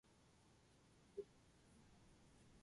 He is co-guitarist with Scotti Hill.